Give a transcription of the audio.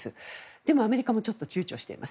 でも、アメリカもちょっとちゅうちょしています。